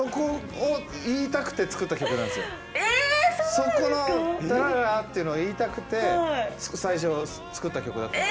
そこの「あら」っていうのを言いたくて最初作った曲だったんで。